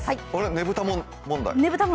ねぶた問題。